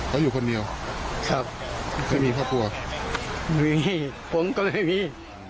เขาอยู่คนเดียวไม่มีพ่อปัวครับมีผมก็ไม่มี